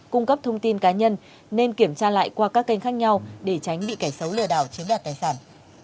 cung cấp thông tin cá nhân nên kiểm tra lại qua các kênh khác nhau để tránh bị kẻ xấu lừa đảo chiếm đoạt tài sản